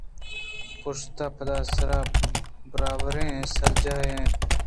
پشت ءَ پہ سرءَ بروبریں سرجاہے اَت